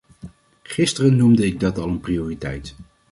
Gisteren noemde ik dat al een prioriteit.